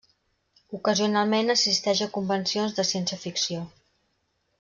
Ocasionalment assisteix a convencions de ciència-ficció.